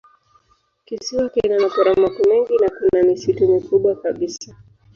Kisiwa kina maporomoko mengi na kuna misitu mikubwa kabisa.